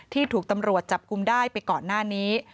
ถูกตำรวจจับกลุ่มได้ไปก่อนหน้านี้